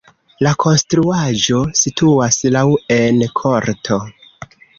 La konstruaĵo situas laŭ en korto.